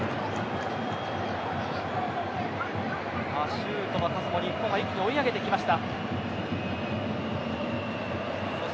シュートの数も日本が一気に追い上げてきました。